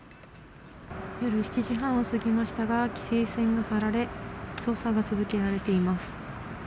夜７時半を過ぎましたが、規制線が張られ、捜査が続けられています。